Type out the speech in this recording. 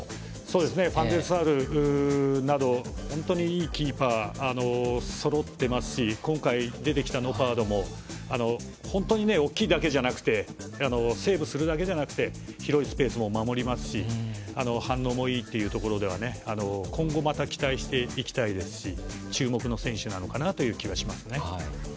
ファンデルサールなど本当にいいキーパーがそろってますし今回出てきたノパートも大きいだけじゃなくてセーブするだけじゃなくて広いスペースを守りますし反応もいいというところでは今後また期待していきたいですし注目の選手なのかなと思いますね。